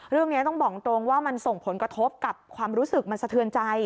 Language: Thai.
เรื่องนี้ต้องบอกตรงว่ามันส่งผลกระทบกับความรู้สึกมันสะเทือนใจ